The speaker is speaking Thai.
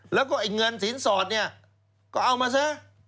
แล้วก็ไอ้เงินสินสอดเนี่ยก็เอามาซะ